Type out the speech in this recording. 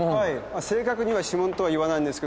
あっ正確には指紋とは言わないんですけど。